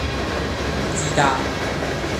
唔知㗎